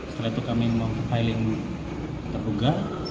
setelah itu kami filing terduga